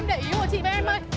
em để ý của chị với em ơi